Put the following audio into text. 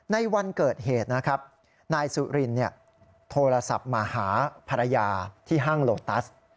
ในวันเกิดเหตุนะครับนายสุรินโทรศัพท์มาหาภรรยาที่ห้างโลตัส